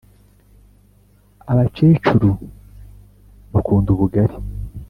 Abacecuru bakunda ubugari